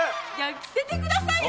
捨ててくださいよ